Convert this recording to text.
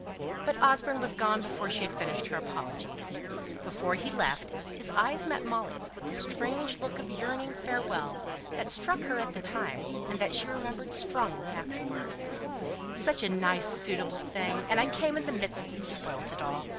But Osborne was gone before she had finished her apologies. As he left, his eyes met Molly's with a strange look of yearning farewell that struck her at the time, and that she remembered strongly afterwards. "Such a nice suitable thing, and I came in the midst, and spoilt it all.